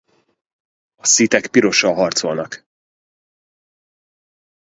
A Sithek pirossal harcolnak.